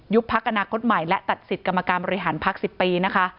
ยุบพักอนาคตใหม่และตัดสิทธิ์กรรมการบริหารพักษัตริย์๑๐ปี